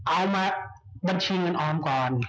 เอามาบัญชีเงินออมก่อน